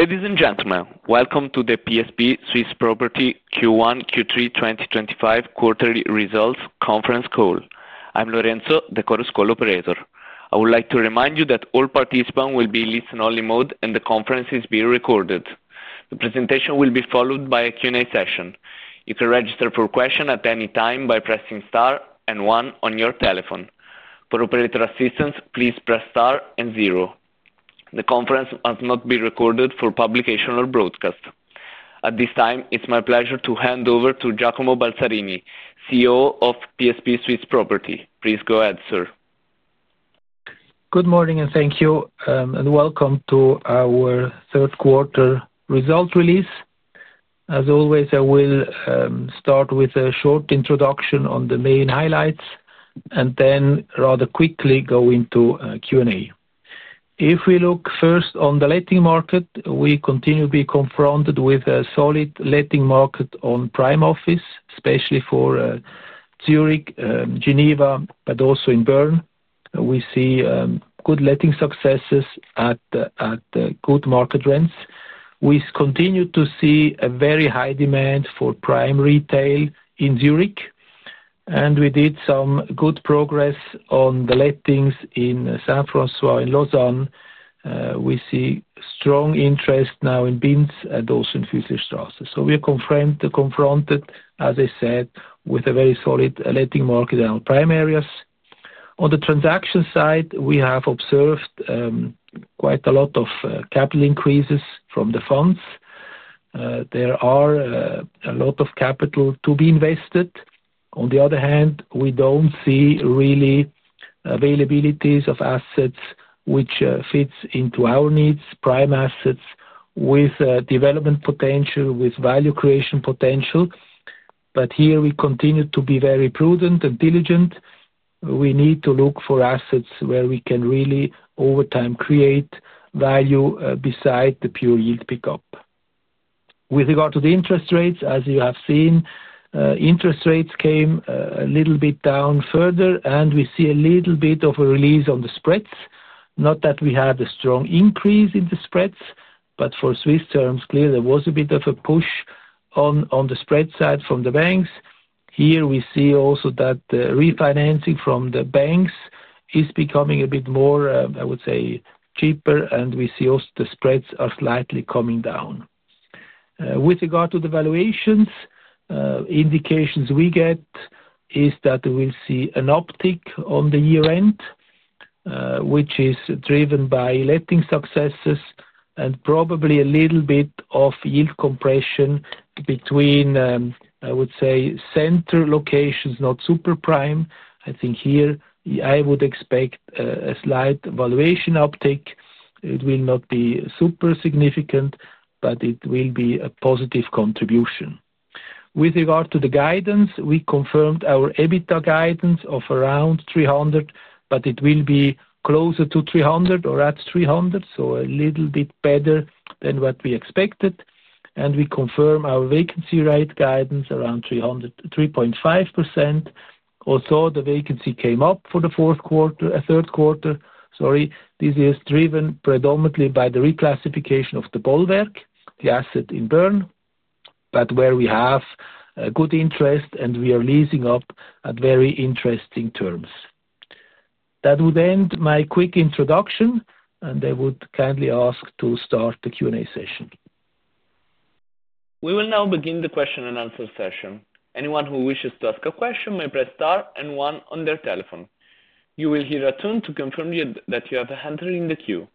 Ladies and gentlemen, welcome to the PSP Swiss Property Q1, Q3 2025 quarterly results conference call. I'm Lorenzo, the Chorus Call operator. I would like to remind you that all participants will be in listen-only mode, and the conference is being recorded. The presentation will be followed by a Q&A session. You can register for questions at any time by pressing star and one on your telephone. For operator assistance, please press star and zero. The conference must not be recorded for publication or broadcast. At this time, it's my pleasure to hand over to Giacomo Balzarini, CEO of PSP Swiss Property. Please go ahead, sir. Good morning, and thank you, and welcome to our third quarter results release. As always, I will start with a short introduction on the main highlights and then rather quickly go into Q&A. If we look first on the letting market, we continue to be confronted with a solid letting market on prime office, especially for Zurich, Geneva, but also in Bern. We see good letting successes at good market rents. We continue to see a very high demand for prime retail in Zurich, and we did some good progress on the lettings in [San Francisco] and Lausanne. We see strong interest now in Binz and also in Füsslistrasse. We are confronted, as I said, with a very solid letting market in our prime areas. On the transaction side, we have observed quite a lot of capital increases from the funds. There is a lot of capital to be invested. On the other hand, we do not see really availabilities of assets which fit into our needs, prime assets with development potential, with value creation potential. Here we continue to be very prudent and diligent. We need to look for assets where we can really, over time, create value beside the pure yield pickup. With regard to the interest rates, as you have seen, interest rates came a little bit down further, and we see a little bit of a release on the spreads. Not that we had a strong increase in the spreads, but for Swiss terms, clearly there was a bit of a push on the spreads side from the banks. Here we see also that the refinancing from the banks is becoming a bit more, I would say, cheaper, and we see also the spreads are slightly coming down. With regard to the valuations, indications we get is that we'll see an uptick on the year-end, which is driven by letting successes and probably a little bit of yield compression between, I would say, center locations, not super prime. I think here I would expect a slight valuation uptick. It will not be super significant, but it will be a positive contribution. With regard to the guidance, we confirmed our EBITDA guidance of around 300, but it will be closer to 300 or at 300, so a little bit better than what we expected. We confirm our vacancy rate guidance around 3.5%. Also, the vacancy came up for the third quarter. Sorry, this is driven predominantly by the reclassification of the Bollwerk, the asset in Bern, but where we have good interest and we are leasing up at very interesting terms. That would end my quick introduction, and I would kindly ask to start the Q&A session. We will now begin the question and answer session. Anyone who wishes to ask a question may press star and one on their telephone. You will hear a tune to confirm that you have entered in the queue.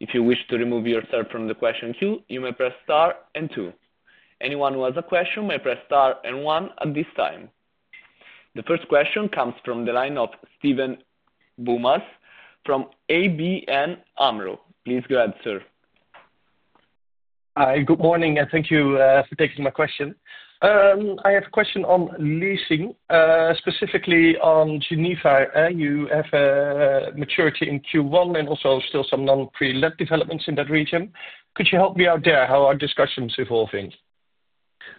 If you wish to remove yourself from the question queue, you may press star and two. Anyone who has a question may press star and one at this time. The first question comes from the line of Steven Boumans from ABN AMRO. Please go ahead, sir. Hi, good morning, and thank you for taking my question. I have a question on leasing, specifically on Geneva. You have a maturity in Q1 and also still some non-pre-let developments in that region. Could you help me out there? How are discussions evolving?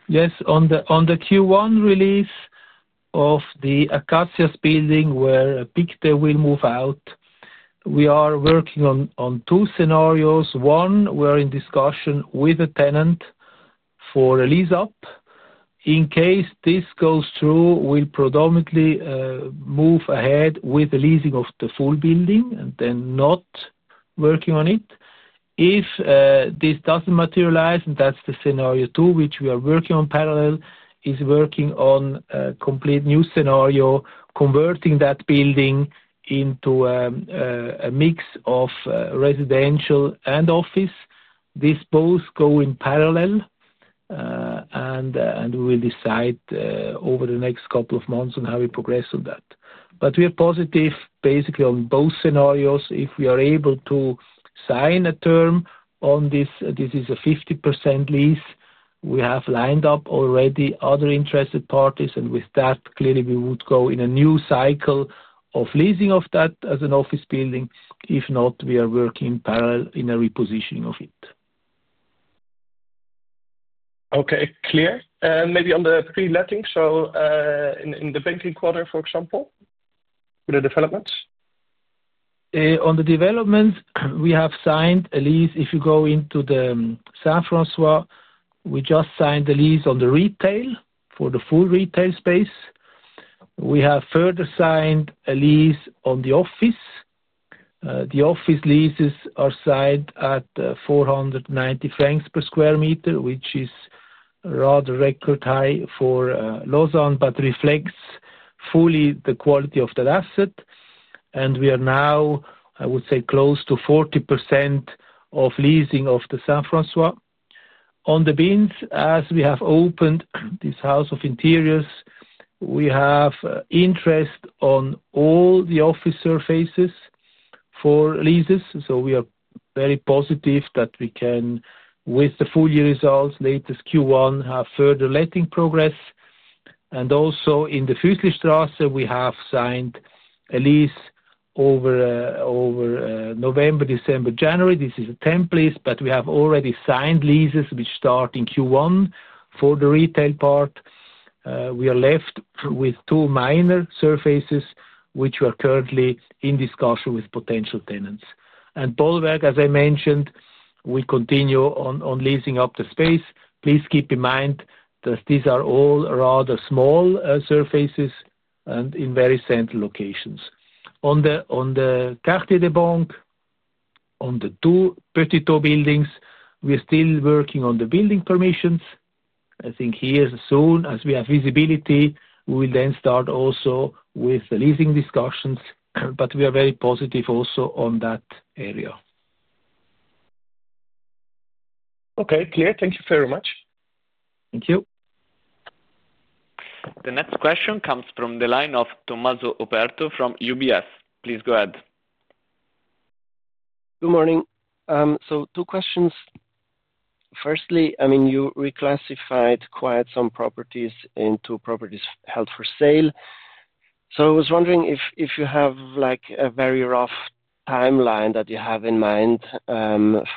Yes, on the Q1 release of the Akasius building where Pictet will move out, we are working on two scenarios. One, we're in discussion with the tenant for a lease-up. In case this goes through, we'll predominantly move ahead with the leasing of the full building and then not working on it. If this doesn't materialize, and that's the scenario two, which we are working on parallel, is working on a complete new scenario, converting that building into a mix of residential and office. These both go in parallel, and we will decide over the next couple of months on how we progress on that. We are positive, basically, on both scenarios. If we are able to sign a term on this, this is a 50% lease. We have lined up already other interested parties, and with that, clearly, we would go in a new cycle of leasing of that as an office building. If not, we are working in parallel in a repositioning of it. Okay, clear. Maybe on the pre-letting, in the banking quarter, for example, with the developments? On the developments, we have signed a lease. If you go into the [San Francisco], we just signed the lease on the retail for the full retail space. We have further signed a lease on the office. The office leases are signed at 490 francs per sq m, which is rather record high for Lausanne, but reflects fully the quality of that asset. We are now, I would say, close to 40% of leasing of the [San Francisco]. On the Binz, as we have opened this house of interiors, we have interest on all the office surfaces for leases. We are very positive that we can, with the full year results, latest Q1, have further letting progress. Also in the Füsslistrasse, we have signed a lease over November, December, January. This is a temp lease, but we have already signed leases which start in Q1 for the retail part. We are left with two minor surfaces which we are currently in discussion with potential tenants. At Bollwerk, as I mentioned, we continue on leasing up the space. Please keep in mind that these are all rather small surfaces and in very central locations. On the Quartier des Banques, on the two Petitot buildings, we're still working on the building permissions. I think here, as soon as we have visibility, we will then start also with the leasing discussions, but we are very positive also on that area. Okay, clear. Thank you very much. Thank you. The next question comes from the line of Tommaso Operto from UBS. Please go ahead. Good morning. Two questions. Firstly, I mean, you reclassified quite some properties into properties held for sale. I was wondering if you have a very rough timeline that you have in mind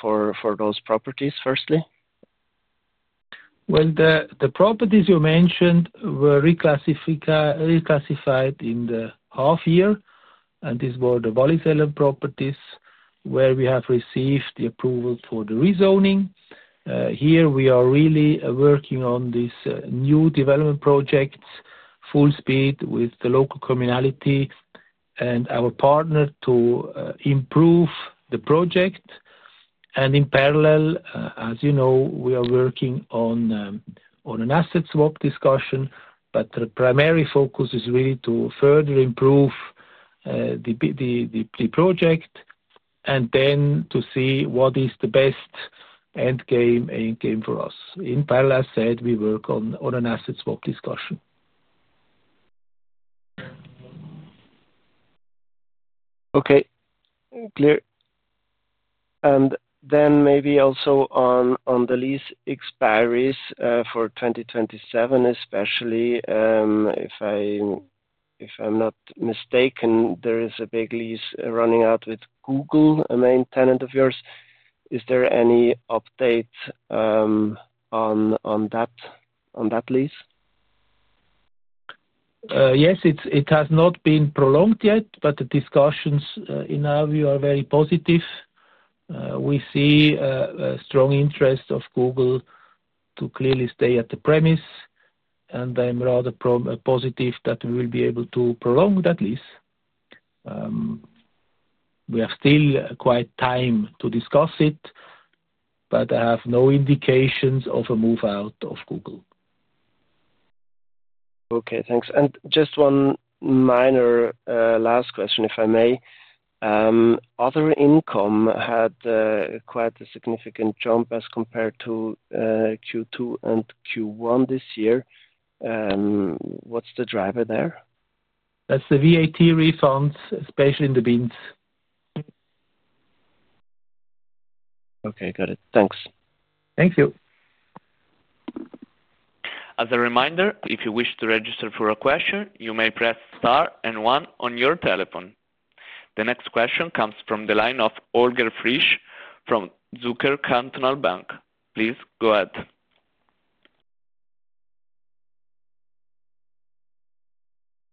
for those properties, firstly. The properties you mentioned were reclassified in the half year, and these were the volatile properties where we have received the approval for the rezoning. Here, we are really working on these new development projects, full speed with the local communality and our partner to improve the project. In parallel, as you know, we are working on an asset swap discussion, but the primary focus is really to further improve the project and then to see what is the best end game for us. In parallel, as I said, we work on an asset swap discussion. Okay, clear. Maybe also on the lease expiries for 2027, especially if I'm not mistaken, there is a big lease running out with Google, a main tenant of yours. Is there any update on that lease? Yes, it has not been prolonged yet, but the discussions in our view are very positive. We see a strong interest of Google to clearly stay at the premise, and I'm rather positive that we will be able to prolong that lease. We have still quite time to discuss it, but I have no indications of a move out of Google. Okay, thanks. Just one minor last question, if I may. Other income had quite a significant jump as compared to Q2 and Q1 this year. What's the driver there? That's the VAT refunds, especially in the Binz. Okay, got it. Thanks. Thank you. As a reminder, if you wish to register for a question, you may press star and one on your telephone. The next question comes from the line of Holger Frisch from Zürcher Kantonalbank. Please go ahead.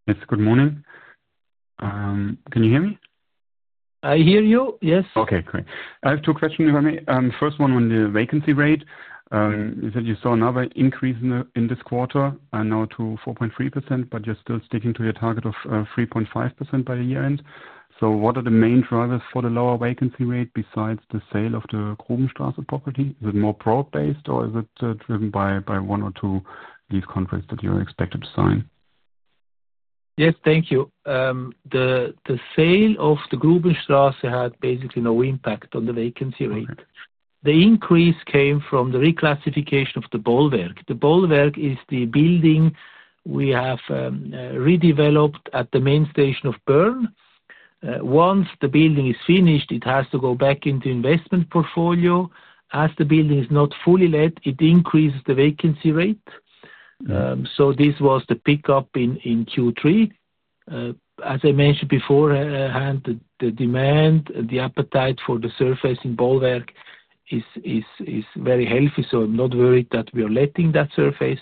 Yes, good morning. Can you hear me? I hear you, yes. Okay, great. I have two questions, if I may. First one on the vacancy rate. You said you saw another increase in this quarter, now to 4.3%, but you're still sticking to your target of 3.5% by the year-end. What are the main drivers for the lower vacancy rate besides the sale of the Grubenstrasse property? Is it more broad-based, or is it driven by one or two lease contracts that you're expected to sign? Yes, thank you. The sale of the Grubenstrasse had basically no impact on the vacancy rate. The increase came from the reclassification of the Bollwerk. The Bollwerk is the building we have redeveloped at the main station of Bern. Once the building is finished, it has to go back into investment portfolio. As the building is not fully let, it increases the vacancy rate. This was the pickup in Q3. As I mentioned before, the demand and the appetite for the surface in Bollwerk is very healthy, so I'm not worried that we are letting that surface.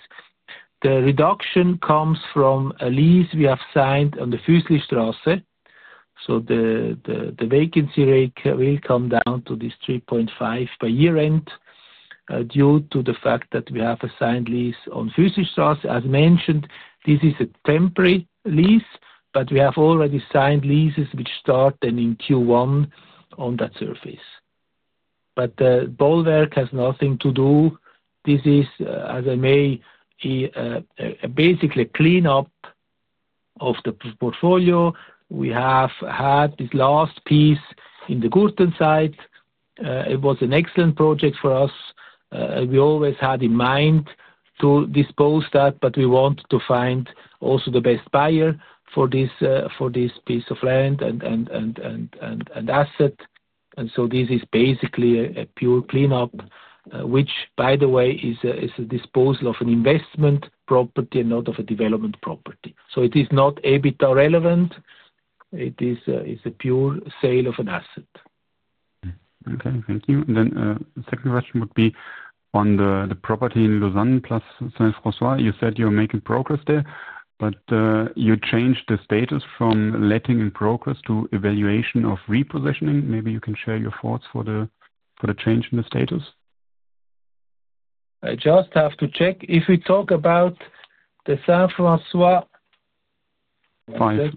The reduction comes from a lease we have signed on the Füsslistrasse. The vacancy rate will come down to this 3.5% by year-end due to the fact that we have a signed lease on Füsslistrasse. As mentioned, this is a temporary lease, but we have already signed leases which start then in Q1 on that surface. Bollwerk has nothing to do. This is, as I may, basically a cleanup of the portfolio. We have had this last piece in the Gurten site. It was an excellent project for us. We always had in mind to dispose that, but we wanted to find also the best buyer for this piece of land and asset. This is basically a pure cleanup, which, by the way, is a disposal of an investment property and not of a development property. It is not EBITDA relevant. It is a pure sale of an asset. Okay, thank you. The second question would be on the property in Lausanne plus [San Francisco]. You said you're making progress there, but you changed the status from letting in progress to evaluation of repositioning. Maybe you can share your thoughts for the change in the status. I just have to check. If we talk about the [San Francisco]. Five.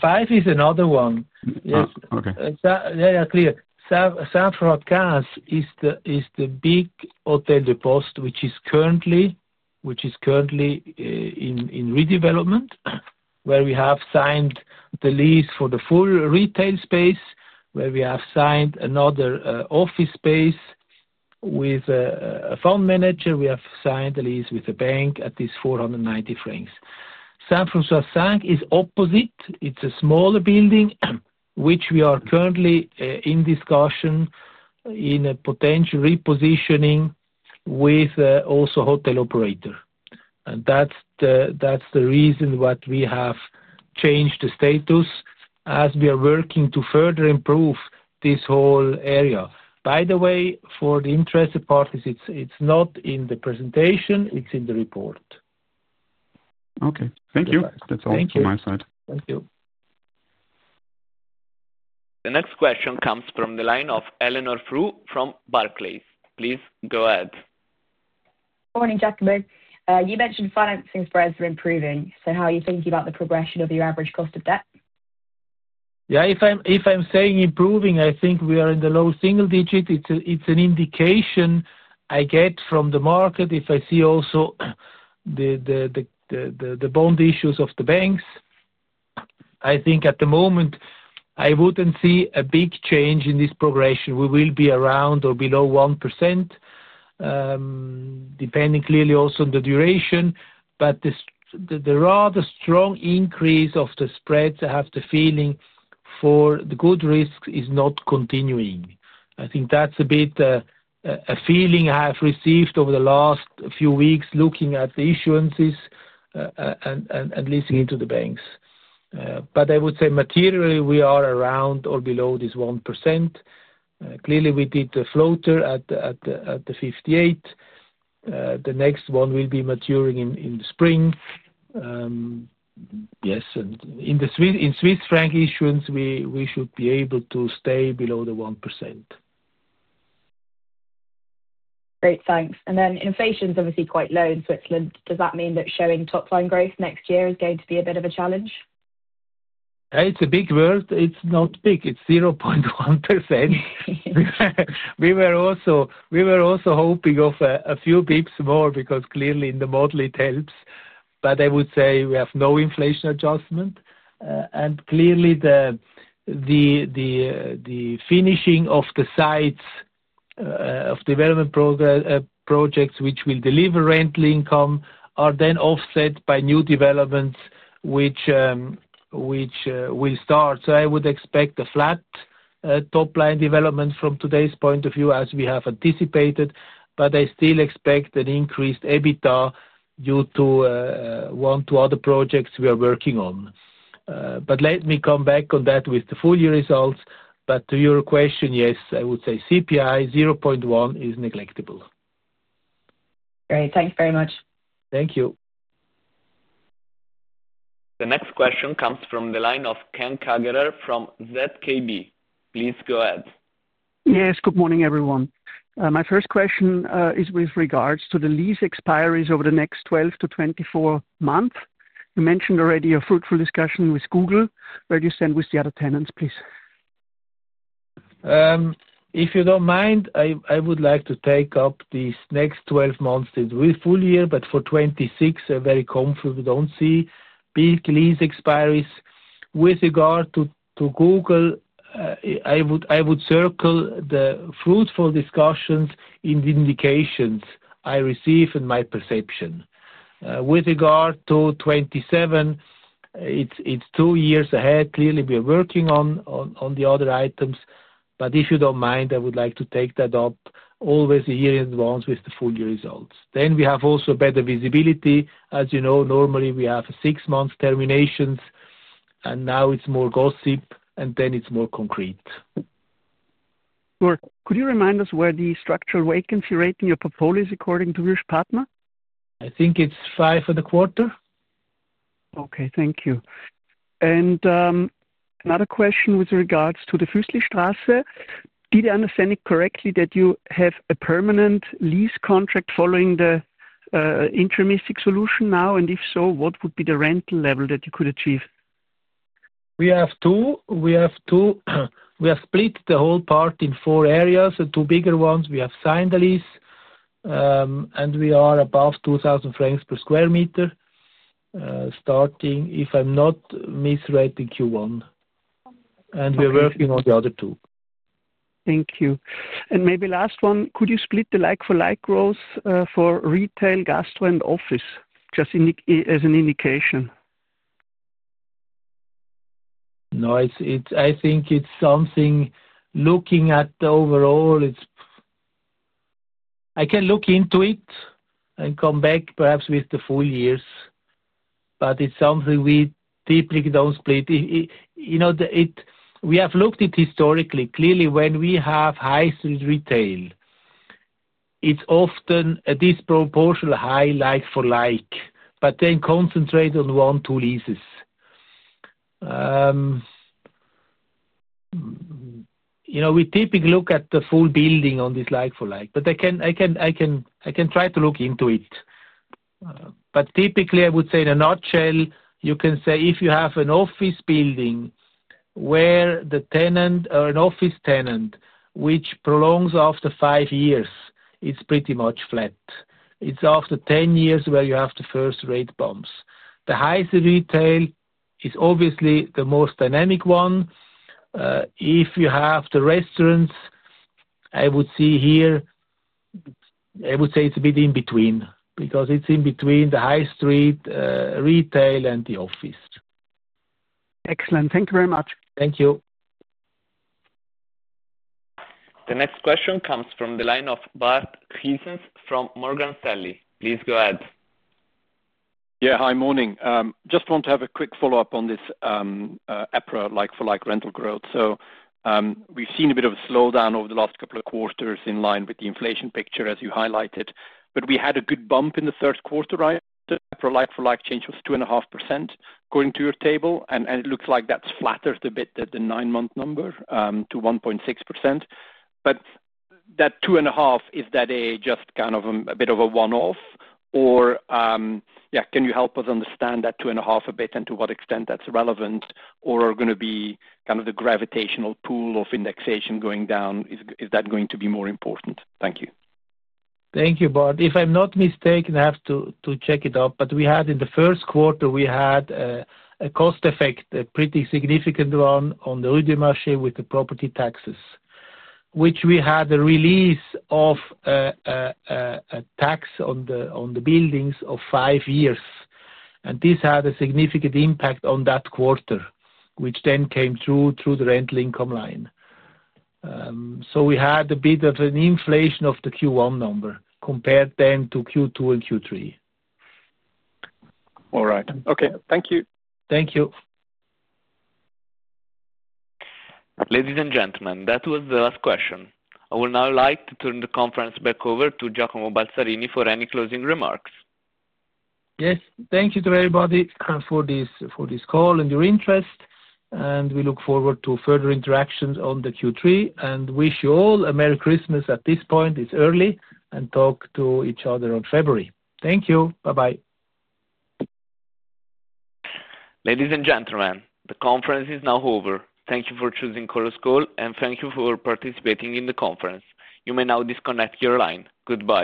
Five is another one. Yes. Okay. Yeah, yeah, clear. [San Francisco] is the big Hotel De Poste, which is currently in redevelopment, where we have signed the lease for the full retail space, where we have signed another office space with a fund manager. We have signed a lease with a bank at 490 francs. [San Francisco] is opposite. It's a smaller building, which we are currently in discussion in a potential repositioning with also hotel operator. That's the reason why we have changed the status as we are working to further improve this whole area. By the way, for the interested parties, it's not in the presentation. It's in the report. Okay, thank you. That's all from my side. Thank you. The next question comes from the line of Eleanor Frew from Barclays. Please go ahead. Good morning, Giacomo. You mentioned financing spreads are improving. So how are you thinking about the progression of your average cost of debt? Yeah, if I'm saying improving, I think we are in the low single digit. It's an indication I get from the market if I see also the bond issues of the banks. I think at the moment, I wouldn't see a big change in this progression. We will be around or below 1%, depending clearly also on the duration. The rather strong increase of the spreads, I have the feeling for the good risks is not continuing. I think that's a bit a feeling I have received over the last few weeks looking at the issuances and leasing into the banks. I would say materially, we are around or below this 1%. Clearly, we did the floater at the 58. The next one will be maturing in the spring. Yes, in Swiss franc issuance, we should be able to stay below the 1%. Great, thanks. Inflation is obviously quite low in Switzerland. Does that mean that showing top-line growth next year is going to be a bit of a challenge? It's a big word. It's not big. It's 0.1%. We were also hoping of a few basis points more because clearly in the model, it helps. I would say we have no inflation adjustment. Clearly, the finishing of the sites of development projects which will deliver rental income are then offset by new developments which will start. I would expect a flat top-line development from today's point of view as we have anticipated, but I still expect an increased EBITDA due to one to other projects we are working on. Let me come back on that with the full year results. To your question, yes, I would say CPI 0.1% is neglectable. Great. Thanks very much. Thank you. The next question comes from the line of Ken Kagerer from ZKB. Please go ahead. Yes, good morning, everyone. My first question is with regards to the lease expiries over the next 12-24 months. You mentioned already a fruitful discussion with Google. Where do you stand with the other tenants, please? If you don't mind, I would like to take up these next 12 months with full year, but for 2026, I'm very confident we don't see big lease expiries. With regard to Google, I would circle the fruitful discussions in the indications I receive and my perception. With regard to 2027, it's two years ahead. Clearly, we are working on the other items. If you don't mind, I would like to take that up always a year in advance with the full year results. Then we have also better visibility. As you know, normally we have six-month terminations, and now it's more gossip, and then it's more concrete. Sure. Could you remind us where the structural vacancy rate in your portfolio is according to your partner? I think it's five for the quarter. Okay, thank you. Another question with regards to the Füsslistrasse. Did I understand it correctly that you have a permanent lease contract following the interimistic solution now? If so, what would be the rental level that you could achieve? We have two. We have split the whole part in four areas, two bigger ones. We have signed the lease, and we are above 2,000 francs per sq m, starting, if I'm not misreading, Q1. And we are working on the other two. Thank you. Maybe last one, could you split the like-for-like growth for retail, gastro, and office just as an indication? No, I think it's something looking at overall, I can look into it and come back perhaps with the full years. It's something we typically don't split. We have looked at historically. Clearly, when we have high-street retail, it's often a disproportional high like-for-like, but then concentrated on one or two leases. We typically look at the full building on this like-for-like, but I can try to look into it. Typically, I would say in a nutshell, you can say if you have an office building where the tenant or an office tenant which prolongs after five years, it's pretty much flat. It's after 10 years where you have the first rate bumps. The high-street retail is obviously the most dynamic one. If you have the restaurants, I would see here, I would say it's a bit in between because it's in between the high-street retail and the office. Excellent. Thank you very much. Thank you. The next question comes from the line of Bart Gysens from Morgan Stanley. Please go ahead. Yeah, hi, morning. Just want to have a quick follow-up on this APRA like-for-like rental growth. We have seen a bit of a slowdown over the last couple of quarters in line with the inflation picture as you highlighted. We had a good bump in the third quarter, right, after APRA like-for-like change was 2.5% according to your table. It looks like that has flattered a bit, the nine-month number to 1.6%. That 2.5%, is that just kind of a bit of a one-off? Can you help us understand that 2.5% a bit and to what extent that is relevant? Are we going to be kind of the gravitational pull of indexation going down? Is that going to be more important? Thank you. Thank you, Bart. If I'm not mistaken, I have to check it up. In the first quarter, we had a cost effect pretty significant on the rue du marché with the property taxes, which we had a release of tax on the buildings of five years. This had a significant impact on that quarter, which then came through the rental income line. We had a bit of an inflation of the Q1 number compared then to Q2 and Q3. All right. Okay, thank you. Thank you. Ladies and gentlemen, that was the last question. I would now like to turn the conference back over to Giacomo Balzarini for any closing remarks. Yes, thank you to everybody for this call and your interest. We look forward to further interactions on the Q3 and wish you all a Merry Christmas at this point. It is early. Talk to each other in February. Thank you. Bye-bye. Ladies and gentlemen, the conference is now over. Thank you for choosing Chorus Call, and thank you for participating in the conference. You may now disconnect your line. Goodbye.